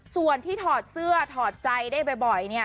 ส่วนที่ถอดเสื้อถอดใจได้บ่อยเนี่ย